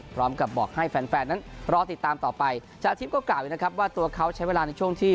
พร้อมกับบอกให้แฟนแฟนนั้นรอติดตามต่อไปชาทิพย์ก็กล่าวอีกนะครับว่าตัวเขาใช้เวลาในช่วงที่